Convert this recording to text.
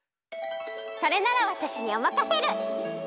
それならわたしにおまかシェル！